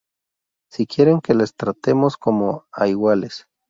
si quieren que les tratemos como a iguales